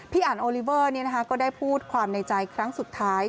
อันโอลิเวอร์ก็ได้พูดความในใจครั้งสุดท้าย